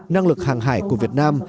năng lực hàng hải của việt nam